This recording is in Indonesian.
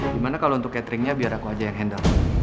gimana kalau untuk cateringnya biar aku aja yang handle